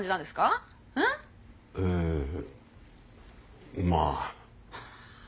ええまあ。